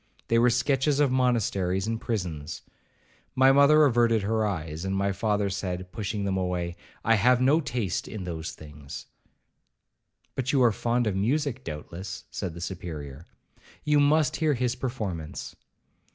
They were sketches of monasteries and prisons. My mother averted her eyes—and my father said, pushing them away, 'I have no taste in those things.' 'But you are fond of music doubtless,' said the Superior; 'you must hear his performance.'